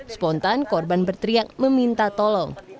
spontan korban berteriak meminta tolong